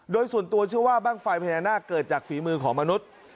โดยส่วนตัวเชื่อว่าบ้างไฟพญานาคเกิดจากฝีมือของมนุษย์